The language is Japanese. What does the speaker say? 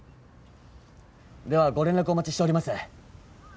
ではご連絡お待ちしております。